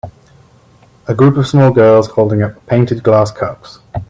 A group of small girls holding up painted glass cups.